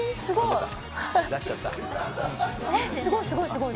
すごい。